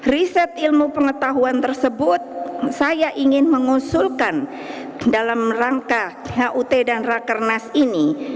riset ilmu pengetahuan tersebut saya ingin mengusulkan dalam rangka hut dan rakernas ini